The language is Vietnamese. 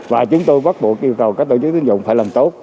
và chúng tôi bắt buộc yêu cầu các tổ chức tín dụng phải làm tốt